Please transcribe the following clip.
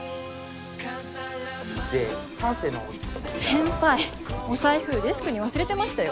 先輩お財布デスクに忘れてましたよ。